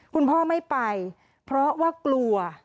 คุณพ่อไม่ไปเพราะว่ากลัว